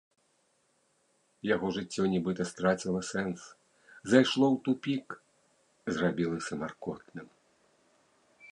Яго жыццё нібыта страціла сэнс, зайшло ў тупік, зрабілася маркотным.